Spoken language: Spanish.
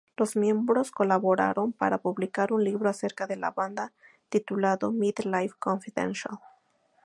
Los miembros colaboraron para publicar un libro acerca de la banda intitulado "Mid-Life Confidential".